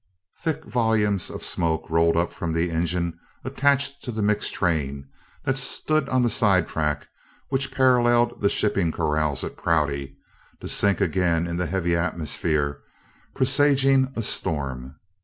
Thick volumes of smoke rolled up from the engine attached to the mixed train that stood on the side track which paralleled the shipping corrals at Prouty, to sink again in the heavy atmosphere presaging a storm.